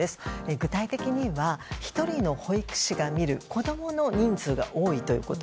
具体的には１人の保育士が見る子供の人数が多いということ。